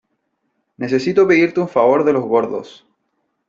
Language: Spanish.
necesito pedirte un favor de los gordos .